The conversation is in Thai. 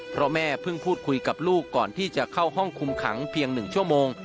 เพราะแม่เพิ่งพูดคุยกับลูกก่อนที่จะเข้าห้องคุมขังเพียง๑ชั่วโมง